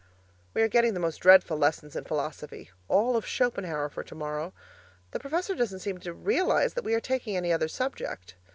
We are getting the most dreadful lessons in philosophy all of Schopenhauer for tomorrow. The professor doesn't seem to realize that we are taking any other subject.